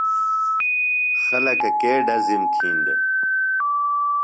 خلکہ کے ڈزِم تھین دےۡ؟